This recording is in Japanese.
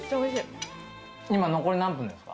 今、残り何分ですか？